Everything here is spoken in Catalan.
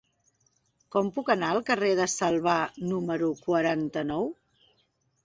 Com puc anar al carrer de Salvà número quaranta-nou?